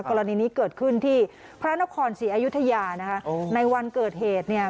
กรณีนี้เกิดขึ้นที่พระนครศรีอยุธยานะคะในวันเกิดเหตุเนี่ย